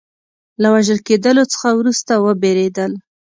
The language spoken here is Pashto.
له وژل کېدلو څخه وروسته وبېرېدل.